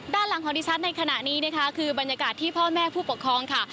ด้านหลังของดิฉันในขณะนี้นะคะคือบรรยากาศที่พ่อแม่ผู้ปกครองค่ะ